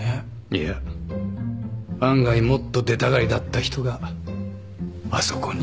いや案外もっと出たがりだった人があそこに。